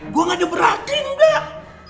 gue gak ada berarti enggak